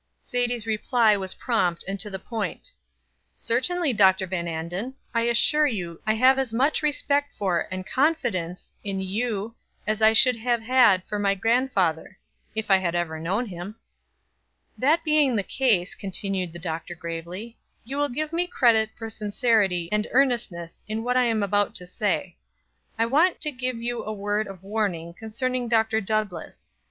Sadie's reply was prompt and to the point. "Certainly, Dr. Van Anden; I assure you I have as much respect for, and confidence in, you as I should have had for my grandfather, if I had ever known him." "That being the case," continued the Doctor, gravely, "you will give me credit for sincerity and earnestness in what I am about to say. I want to give you a word of warning concerning Dr. Douglass.